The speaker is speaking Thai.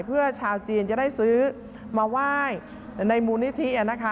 เพื่อชาวจีนจะได้ซื้อมาไหว้ในมูลนิธินะคะ